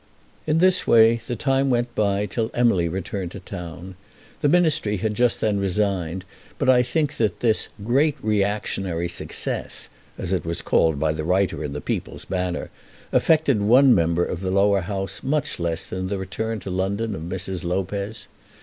In this way the time went by till Emily returned to town. The Ministry had just then resigned, but I think that "this great reactionary success," as it was called by the writer in the "People's Banner," affected one member of the Lower House much less than the return to London of Mrs. Lopez.